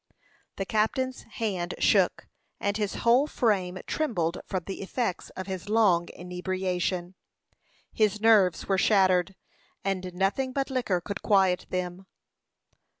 The captain's hand shook, and his whole frame trembled from the effects of his long inebriation. His nerves were shattered, and nothing but liquor could quiet them.